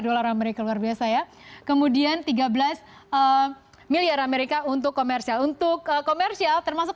dolar amerika luar biasa ya kemudian tiga belas miliar amerika untuk komersial untuk komersial termasuk